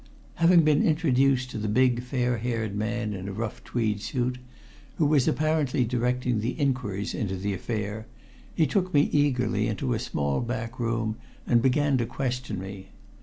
Having been introduced to the big, fair haired man in a rough tweed suit, who was apparently directing the inquiries into the affair, he took me eagerly into a small back room and began to question me.